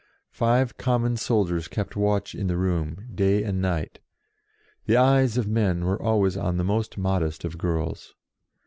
Five common soldiers kept watch in the room, day and night; the eyes of men were always on the most modest of girls.